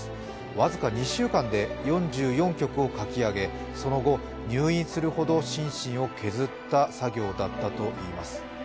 僅か２週間で４４曲を書き上げ、その後入院するほど心身を削った作業だったといいます。